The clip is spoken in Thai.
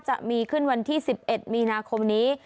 จะมีขึ้นวันที่๑๑มีนาคมนี้